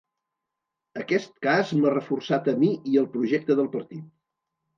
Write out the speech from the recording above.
Aquest cas m’ha reforçat a mi i el projecte del partit.